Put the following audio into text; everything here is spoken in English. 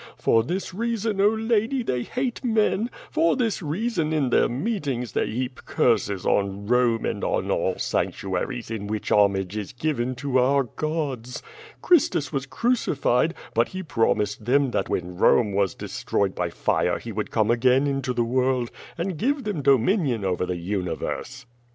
For this reason, oh, lady, they hate men; for this reason in their meetings they heap curses on Rome and on all sanctuaries in which homage is given to our gods. Christus was crucified, but he promised them that when Rome was destroyed by fire he would come again into the world, and give them dominion over the universe.